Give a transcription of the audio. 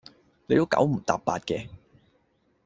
你都九唔搭八嘅